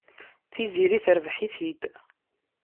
Tiziri terbeḥ-it-id.